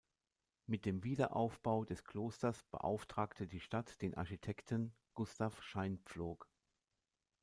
Mit dem Wiederaufbau des Klosters beauftragte die Stadt den Architekten Gustav Scheinpflug.